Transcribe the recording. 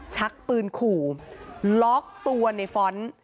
ชักปืนขู่ล็อกตัวในฟ้อนต์